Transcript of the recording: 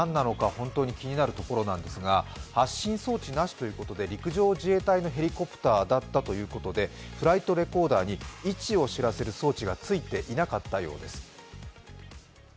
本当に気になるところなんですが発信装置なしということで陸上自衛隊のヘリコプターだったということでフライトレコーダーに位置を知らせる装置がついていなかったようです。